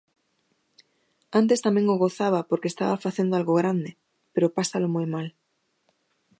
Antes tamén o gozaba porque estaba facendo algo grande, pero pásalo moi mal.